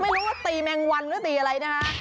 ไม่รู้ว่าตีแมงวันหรือตีอะไรนะคะ